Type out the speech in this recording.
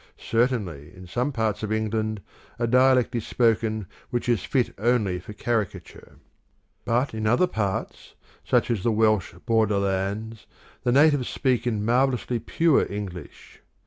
Certainly in some parts of England a dialect is spoken which is fit only for caricature. But in other parts, such as the Welsh Borderlands, the natives speak in marvellously pure English.